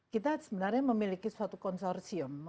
kita sebenarnya memiliki suatu konsorsium